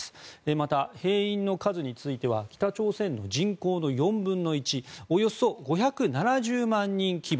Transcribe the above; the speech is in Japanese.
また、兵員の数については北朝鮮の人口の４分の１およそ５７０万人規模。